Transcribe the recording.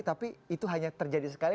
tapi itu hanya terjadi sekali